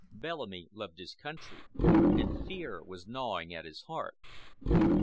Bellamy loved his country, and fear was gnawing at his heart.